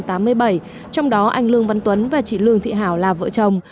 trong đó anh lương văn tuấn và chị lương thị hảo là vợ chồng